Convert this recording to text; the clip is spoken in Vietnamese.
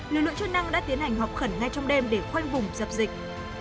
lực lượng chức năng đã tiến hành họp khẩn ngay trong đêm để khoanh vùng dập dịch